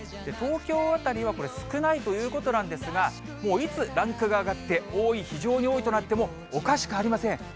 東京辺りはこれ、少ないということなんですが、もういつランクが上がって、多い、非常に多いとなってもおかしくありません。